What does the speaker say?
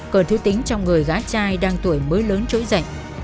cờn thú tính trong người gái trai đang tuổi mới lớn trỗi dậy